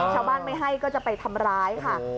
ชาวบ้านไม่ให้ก็จะไปทำร้ายค่ะ